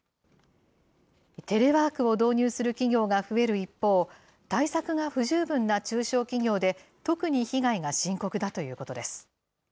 テレワークを導入する企業が増える一方、対策が不十分な中小企業で特に被害が深刻だということです。